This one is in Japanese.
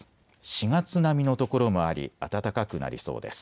４月並みの所もあり暖かくなりそうです。